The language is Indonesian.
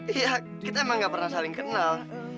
iya kita emang gak pernah saling kenal